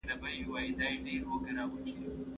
ده د قانون درناوی کاوه.